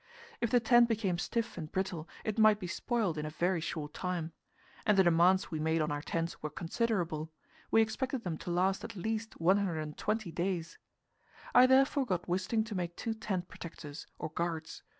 If the tent became stiff and brittle, it might be spoilt in a very short time. And the demands we made on our tents were considerable; we expected them to last at least 120 days. I therefore got Wisting to make two tent protectors, or guards.